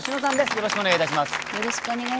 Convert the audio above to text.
よろしくお願いします。